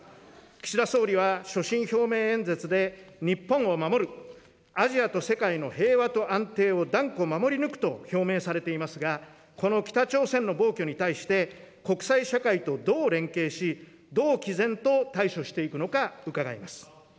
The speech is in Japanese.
岸田総理は所信表明演説で、日本を守る、アジアと世界の平和と安定を断固守り抜くと表明されていますが、この北朝鮮の暴挙に対して、国際社会とどう連携し、どうきぜんと対処していくのか伺います。